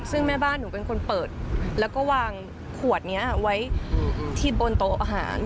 ซึ่งแม่บ้านหนูเป็นคนเปิดแล้วก็วางขวดนี้ไว้ที่บนโต๊ะอาหาร